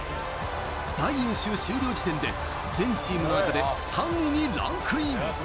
第４週終了時点で全チームの中で３位にランクイン。